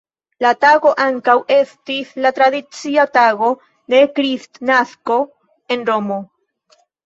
La tago ankaŭ estis la tradicia tago de Kristnasko en Romo.